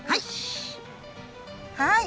はい！